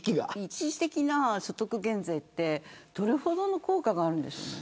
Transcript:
一時的な所得減税はどれほど効果があるんですかね。